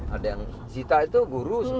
ada yang sita itu guru